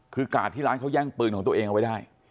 คือกาดที่ร้านเขาแย่งปืนของตัวเองเอาไว้ได้